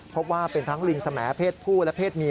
พบว่าเป็นทั้งลิงสมเพศผู้และเพศเมีย